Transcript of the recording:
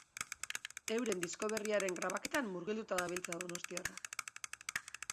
Euren disko berriaren grabaketan murgilduta dabiltza donostiarrak.